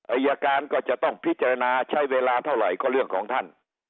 อายการก็จะต้องพิจารณาใช้เวลาเท่าไหร่ก็เรื่องของท่าน